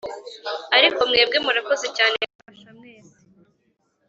Ariko mwebwe murakoze cyane kumfasha mwese